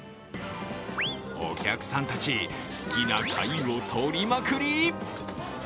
お客さんたち、好きな貝を取りまくり。